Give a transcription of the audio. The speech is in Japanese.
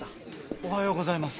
おはようございます。